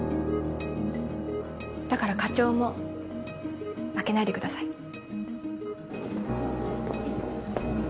だから課長も負けないでください。